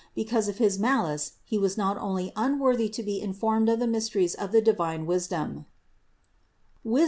Be cause of his malice he was not only unworthy to be informed of the mysteries of the divine wisdom (Wisd.